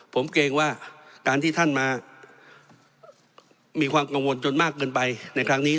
ผมเกรงว่าการที่ท่านมามีความกังวลจนมากเกินไปในครั้งนี้